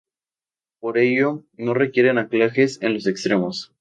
Por ello, no requieren anclajes en los extremos.